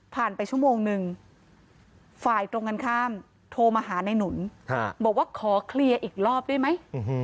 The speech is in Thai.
ไปชั่วโมงนึงฝ่ายตรงกันข้ามโทรมาหาในหนุนบอกว่าขอเคลียร์อีกรอบได้ไหม